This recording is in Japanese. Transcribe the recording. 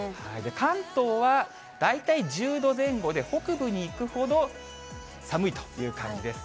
関東は、大体１０度前後で北部に行くほど寒いという感じです。